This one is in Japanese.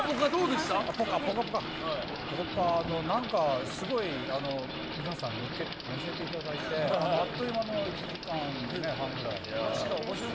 何かすごい皆さん乗せていただいてあっという間の１時間半くらい。